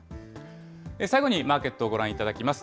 最後にマーケットをご覧いただきます。